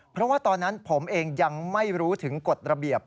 เพราะว่าตอนนั้นผมเองยังไม่รู้ถึงกฎระเบียบ